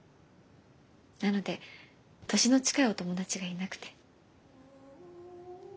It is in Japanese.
なので年の近いお友達がいなくて。